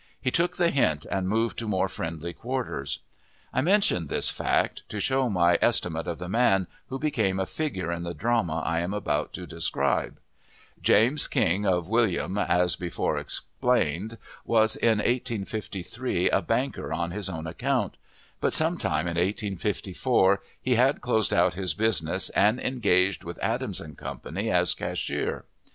He took the hint and moved to more friendly quarters. I mention this fact, to show my estimate of the man, who became a figure in the drama I am about to describe. James King of Wm., as before explained, was in 1853 a banker on his own account, but some time in 1854 he had closed out his business, and engaged with Adams & Co. as cashier.